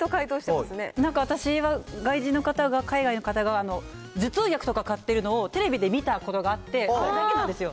なんか私は外人の方が、海外の方が、頭痛薬とかを買ってるのをテレビで見たことがあって、それだけなんですよ。